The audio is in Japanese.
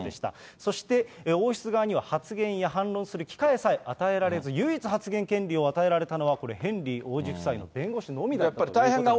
そして王室側には、発言や反論する機会さえ与えられず、唯一発言権利を与えられたのは、これ、ヘンリー王子夫妻の弁護士のみだったということです。